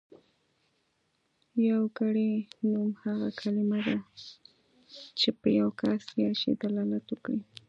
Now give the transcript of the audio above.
يوګړی نوم هغه کلمه ده چې په يو کس يا شي دلالت وکړي.